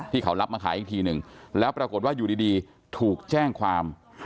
ที่เขารับมาขายอีกทีหนึ่งแล้วปรากฏว่าอยู่ดีถูกแจ้งความ